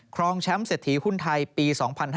ครองแชมป์เศรษฐีหุ้นไทยปี๒๕๕๙